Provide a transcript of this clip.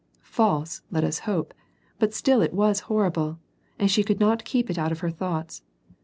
False, let us hope, but still it was horrible, and she could not keep it out of her thoughts.